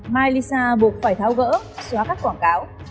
mylisa buộc phải thao gỡ xóa các quảng cáo